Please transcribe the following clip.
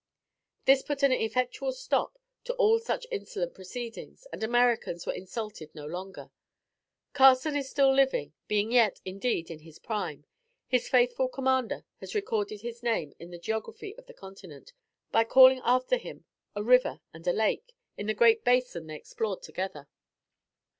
"This put an effectual stop to all such insolent proceedings, and Americans were insulted no longer. Carson is still living, being yet, indeed, in his prime. His faithful commander has recorded his name on the geography of the continent, by calling after him a river and a lake, in the great basin they explored together."